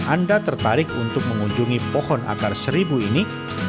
anda tertarik untuk mengunjungi pohon akar seribu ini